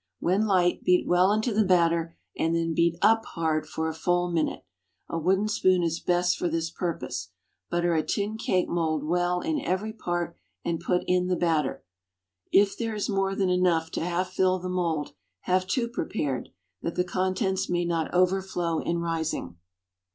When light, beat well into the batter, and then beat up hard for a full minute. A wooden spoon is best for this purpose. Butter a tin cake mould well in every part, and put in the batter. If there is more than enough to half fill the mould have two prepared, that the contents may not overflow in rising.